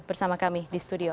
bersama kami di studio